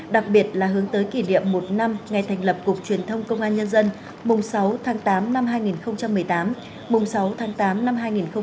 đặc biệt là hướng tới kỷ niệm một năm ngày thành lập cục truyền thông công an nhân dân mùng sáu tháng tám năm hai nghìn một mươi tám mùng sáu tháng tám năm hai nghìn một mươi chín